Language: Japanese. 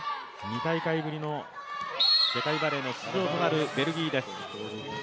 ２大会ぶりの世界バレーの出場となるベルギーです。